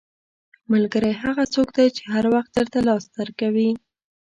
• ملګری هغه څوک دی چې هر وخت درته لاس درکوي.